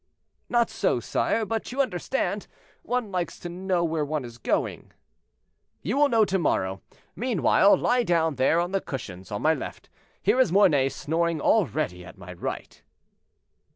"Not so, sire; but you understand, one likes to know where one is going." "You will know to morrow; meanwhile, lie down there on those cushions on my left; here is Mornay snoring already at my right."